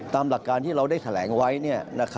ตามหลักการที่เราได้แถลงไว้